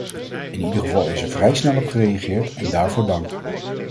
In ieder geval is er vrij snel op gereageerd en daarvoor dank.